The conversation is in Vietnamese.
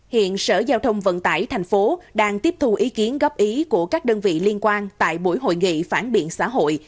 hiện sở giao thông vận tải thành phố đang tiếp thu ý kiến góp ý của các đơn vị liên quan tại buổi hội nghị phản biện xã hội